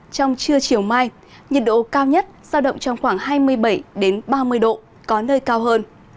trong trưa chiều mai nhiệt độ cao nhất giao động trong khoảng hai mươi bảy ba mươi độ có nơi cao hơn